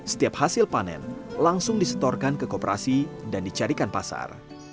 setiap hasil panen langsung disetorkan ke kooperasi dan dicarikan pasar